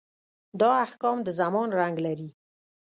دا احکام د زمان رنګ لري.